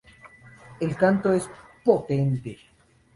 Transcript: El canto es potente.